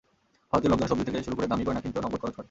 ভারতীয় লোকজন সবজি থেকে শুরু করে দামি গয়না কিনতেও নগদ খরচ করে।